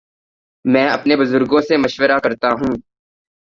میں اپنے بزرگوں سے مشورہ کرتا ہوں۔